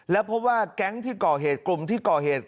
แล้วพบว่าแก๊งที่ก่อเหตุกลุ่มที่ก่อเหตุ